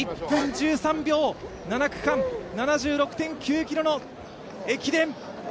１分１３秒、７区間７６．９ｋｍの駅伝。